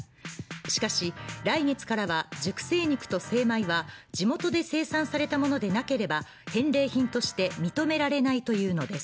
しかし、来月からは熟成肉と精米は地元で生産されたものでなければ返礼品として認められないというのです。